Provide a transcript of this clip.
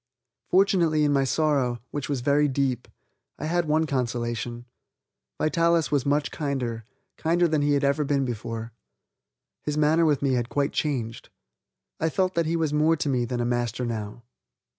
Fortunately in my sorrow, which was very deep, I had one consolation; Vitalis was much kinder, kinder than he had ever been before. His manner with me had quite changed. I felt that he was more to me than a master now.